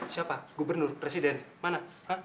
siapa gubernur presiden mana